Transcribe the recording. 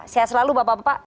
sehat selalu bapak bapak